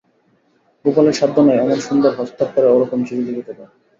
গোপালের সাধ্য নাই অমন সুন্দর হস্তাক্ষরে ওরকম চিঠি লিখিতে পারে।